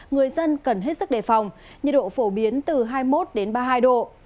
người dân cần hết sức đề phòng nhiệt độ phổ biến từ hai mươi một đến ba mươi hai độ